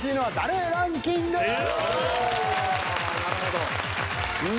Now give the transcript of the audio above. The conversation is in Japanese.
なるほど。